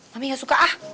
mami gak suka ah